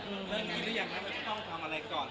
เริ่มกินแล้วอย่างนั้นมันจะต้องทำอะไรก่อน